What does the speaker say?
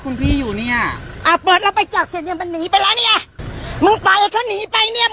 ตอนที่ผมมาเนี่ยผมยังไม่เจอเขาเลย